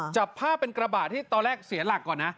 จับภาพเป็นกระบะที่ตอนแรกเสียหลักก่อนนะ